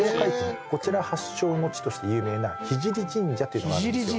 こちら発祥の地として有名な聖神社というのがあるんですよ。